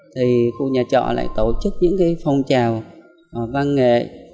thì khu nhà trọ lại tổ chức những phong trào văn nghệ